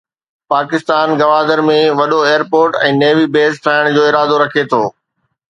پاڪستان گوادر ۾ وڏو airport ۽ navy base ٺاهڻ جو ارادو رکي ٿو.